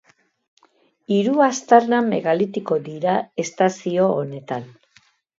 Hiru aztarna megalitiko dira estazio honetan.